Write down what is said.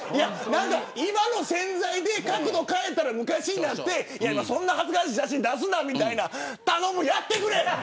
今の宣材で角度を変えたら昔になってそんな恥ずかしい写真出すなみたいな頼む、やってくれ。